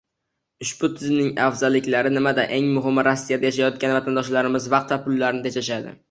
Ushbu tizimning afzalliklari nimada? Eng muhimi, Rossiyada yashayotgan vatandoshlarimiz vaqt va pullarini tejashadi